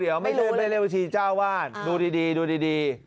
เดี๋ยวไม่ได้เรียกบัญชีเจ้าว่านดูดี